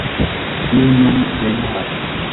Mi nun memoras.